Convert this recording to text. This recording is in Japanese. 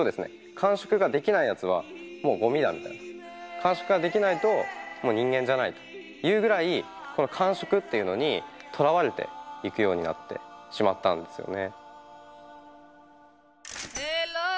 完食ができないやつはもうゴミだみたいな完食ができないともう人間じゃないというぐらい完食っていうのにとらわれていくようになってしまったんですよね。